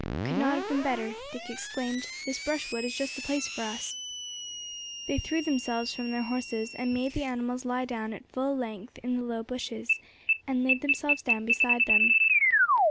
"Could not have been better," Dick exclaimed, "this brushwood is just the place for us." They threw themselves from their horses, and made the animals lie down at full length in the low bushes, and laid themselves down beside them.